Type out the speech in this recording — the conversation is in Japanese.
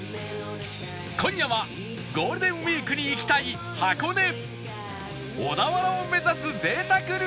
今夜はゴールデンウィークに行きたい箱根小田原を目指す贅沢ルート